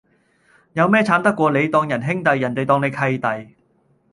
有咩慘得過你當人兄弟,人地當你契弟